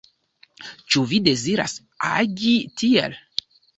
Ĉu vi deziras agi tiel?